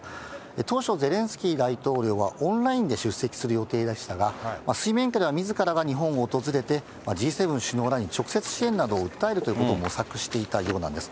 当初、ゼレンスキー大統領はオンラインで出席する予定でしたが、水面下ではみずからが日本を訪れて、Ｇ７首脳らに直接支援などを訴えるということを模索していたようなんです。